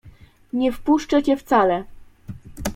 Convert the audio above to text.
Nie wpuszczę cię wcale.